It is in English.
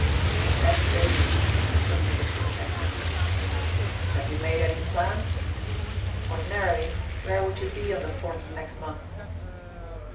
"Ten days," repeated the detective. "Have you made any plans? Ordinarily, where would you be on the fourth of next month?"